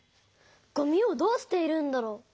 ごみをどうしているんだろう？